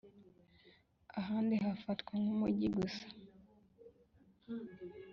ahandi hafatwa nk Umujyi gusa